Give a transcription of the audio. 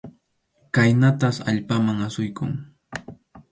Khaynatas allpaman asuykun.